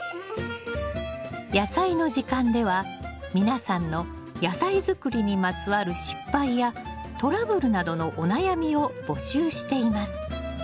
「やさいの時間」では皆さんの野菜づくりにまつわる失敗やトラブルなどのお悩みを募集しています。